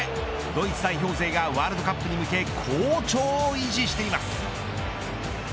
ドイツ代表勢がワールドカップに向け好調を維持しています。